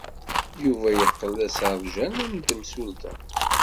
Yuba yeqqel d aseṛjan n temsulta.